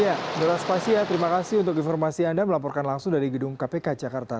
ya nora spasia terima kasih untuk informasi anda melaporkan langsung dari gedung kpk jakarta